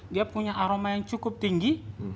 dia punya aroma yang cukup tinggi